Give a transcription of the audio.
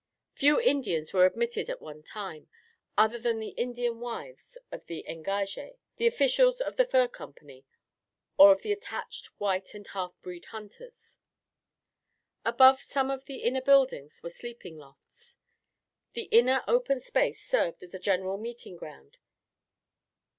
Few Indians were admitted at one time, other than the Indian wives of the engagés, the officials of the fur company or of the attached white or halfbreed hunters. Above some of the inner buildings were sleeping lofts. The inner open space served as a general meeting ground.